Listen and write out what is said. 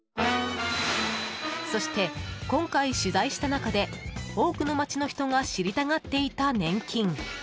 そして、今回取材した中で多くの街の人が知りたがっていた年金。